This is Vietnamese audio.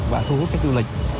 và thu hút các du lịch